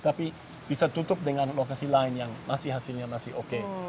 tapi bisa tutup dengan lokasi lain yang hasilnya masih oke